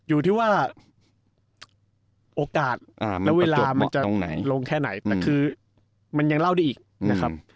อยู่ที่ว่าโอกาสและเวลามันจะลงแค่ไหนแต่คือมันยังเล่าได้อีกนะครับ